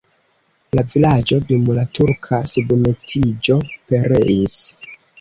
La vilaĝo dum la turka submetiĝo pereis.